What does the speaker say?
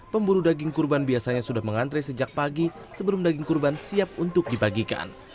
pemburu daging kurban biasanya sudah mengantre sejak pagi sebelum daging kurban siap untuk dibagikan